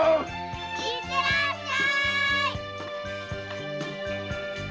行ってらっしゃーい！